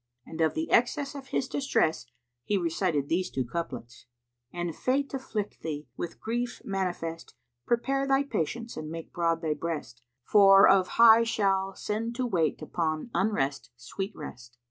And of the excess of his distress, he recited these two couplets, "An Fate afflict thee, with grief manifest, * Prepare thy patience and make broad thy breast; For of His grace the Lord of all the worlds * Shall send to wait upon unrest sweet Rest."